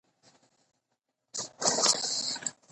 ـ تر موره مېره ،نه ده مهربانه.